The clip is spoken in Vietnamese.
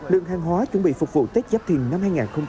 lượng hàng hóa chuẩn bị phục vụ tết giáp thìn năm hai nghìn hai mươi bốn